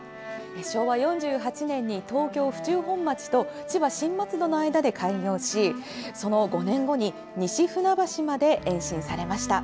昭和４８年に東京・府中本町と千葉・新松戸の間で開業しその５年後に西船橋まで延伸されました。